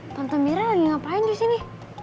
pantemira lagi ngapain disini